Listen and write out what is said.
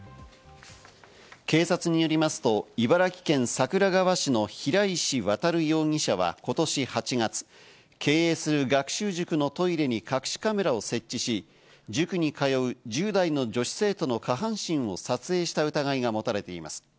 警察によりますと、茨城県桜川市の平石渉容疑者はことし８月、経営する学習塾のトイレに隠しカメラを設置し、塾に通う１０代の女子生徒の下半身を撮影した疑いが持たれています。